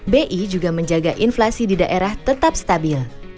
bi juga menjaga inflasi di daerah tetap stabil